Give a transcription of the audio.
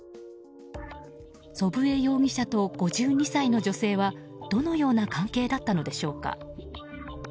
祖父江容疑者と５２歳の女性はどのような関係だったのでしょうか。